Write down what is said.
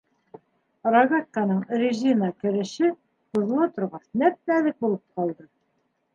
Рогатканың резина кереше, һуҙыла торғас, нәп-нәҙек булып ҡалды.